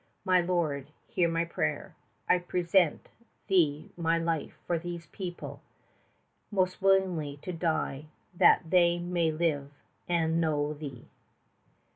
My Lord, hear my prayer! I present Thee my life for this people, most willing to die that they may live and know Thee.